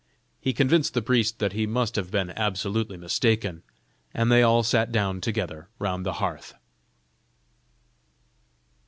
He convinced the priest that he must have been absolutely mistaken, and they all sat down together round the hearth.